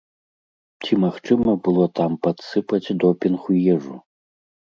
Ці магчыма было там падсыпаць допінг у ежу?